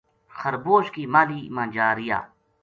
خربوش کی ماہلی ما جا رہیا